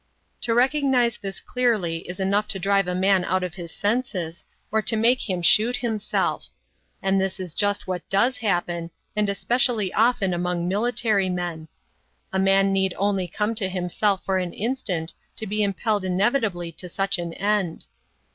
To recognize this clearly is enough to drive a man out of his senses or to make him shoot himself. And this is just what does happen, and especially often among military men. A man need only come to himself for an instant to be impelled inevitably to such an end.